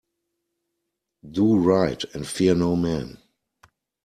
Do right and fear no man.